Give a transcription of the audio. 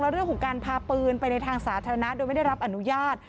เรื่องของการพาปืนไปในทางสาธารณะโดยไม่ได้รับอนุญาต